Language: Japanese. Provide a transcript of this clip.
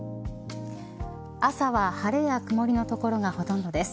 朝は晴れや曇りの所がほとんどです。